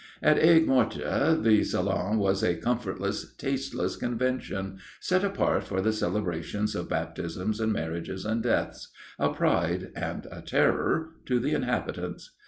At Aigues Mortes the salon was a comfortless, tasteless convention, set apart for the celebrations of baptisms and marriages and deaths, a pride and a terror to the inhabitants.